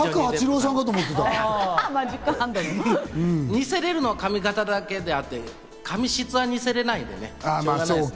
見せられるのは髪形だけであって、髪質は似せられないのでね。